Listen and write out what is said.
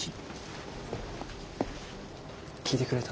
聞いてくれた？